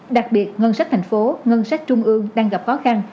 đặc biệt ngân sách thành phố ngân sách trung ương đang gặp khó khăn